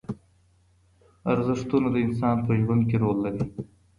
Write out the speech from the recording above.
ارزښتونه د انسان په ژوند کې رول لري.